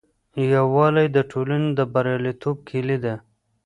یووالي د ټولني د بریالیتوب کیلي ده.